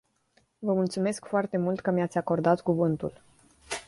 Vă mulțumesc foarte mult că mi-ați acordat cuvântul.